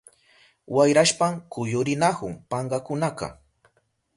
Wayrashpan kuyurinahun pankakunaka.